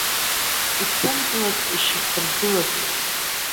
Иԥымтлартә ишьақәыргылатәуп.